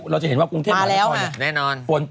เราจะเห็นว่ากรุงเทพมหานครแน่นอน